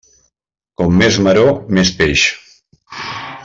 Com més maror, més peix.